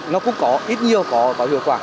nó cũng có ít nhiều có hiệu quả